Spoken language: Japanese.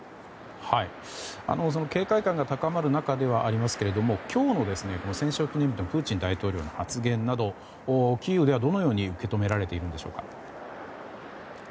警戒感が高まる中ではありますが今日の戦勝記念日のプーチン大統領の発言などキーウではどのように受け止められているんでしょう。